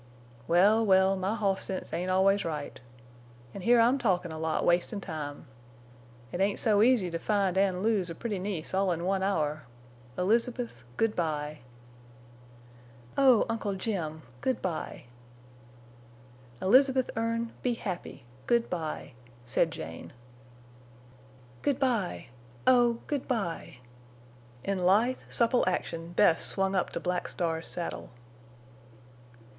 "Well, well, my hoss sense ain't always right. An' here I'm talkin' a lot, wastin' time. It ain't so easy to find an' lose a pretty niece all in one hour! Elizabeth—good by!" "Oh, Uncle Jim!... Good by!" "Elizabeth Erne, be happy! Good by," said Jane. "Good by—oh—good by!" In lithe, supple action Bess swung up to Black Star's saddle.